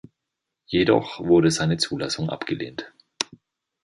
Jedoch wurde seine Zulassung abgelehnt.